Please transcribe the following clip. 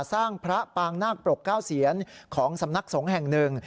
สร้างพระปางนาคปรกเก้าเซียนของสำนักสงฆ์แห่งหนึ่ง